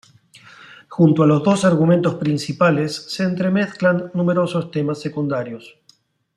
Junto a los dos argumentos principales se entremezclan numerosos temas secundarios.